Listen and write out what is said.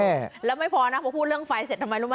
แล้วไม่พอนะพอพูดเรื่องไฟเสร็จทำไมรู้ไหม